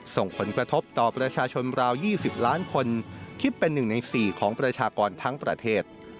ส่งผลกระทบต่อประชาชนราว๒๐ล้านคนคิดเป็น๑ใน๔ของประชากรทั้งประเทศ